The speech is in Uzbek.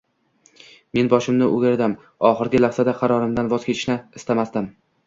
Men boshimni o‘girdim, oxirgi lahzada qarorimdan voz kechishni istamasdim